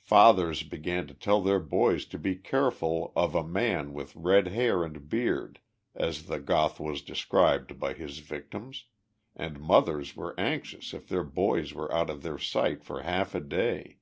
Fathers began to tell their boys to be careful 4 of a man with red hair and beard,' as the Goth was described by his victims, and mothers were anxious if their boys were out of their sight for half a day.